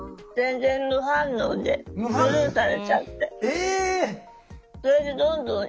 え！